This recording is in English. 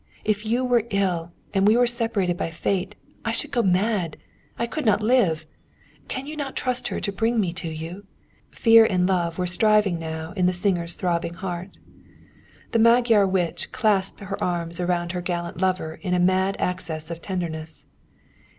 If you were ill, and we were separated by Fate, I should go mad! I could not live! Can you not trust her to bring me to you?" Fear and love were striving now in the singer's throbbing heart. The Magyar witch clasped her arms around her gallant lover in a mad access of tenderness.